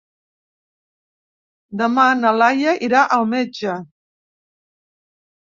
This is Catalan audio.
Demà na Laia irà al metge.